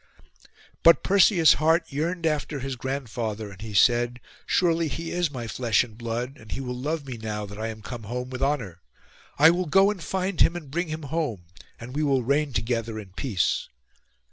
But Perseus' heart yearned after his grandfather, and he said, 'Surely he is my flesh and blood, and he will love me now that I am come home with honour: I will go and find him, and bring him home, and we will reign together in peace.